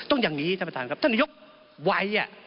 ต้องอย่างงี้ท่านประทานครับถ้าในยกวัย